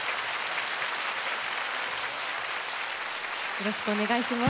よろしくお願いします。